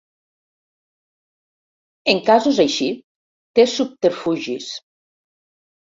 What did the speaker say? En casos així té subterfugis.